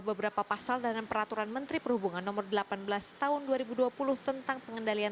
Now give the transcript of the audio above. beberapa pasal dalam peraturan menteri perhubungan nomor delapan belas tahun dua ribu dua puluh tentang pengendalian